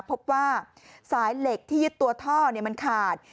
พบว่าสายเหล็กที่ยึดตัวท่อมันขาด